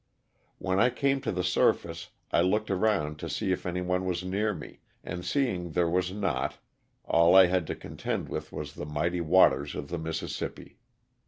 When I came to the surface I looked around to see if any one was near me, and seeing there was not all I had to contend with was the mighty waters of the Mississippi.